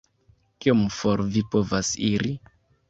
Kiom for vi povas iri?